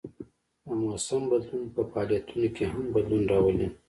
د موسم بدلون په فعالیتونو کې هم بدلون راولي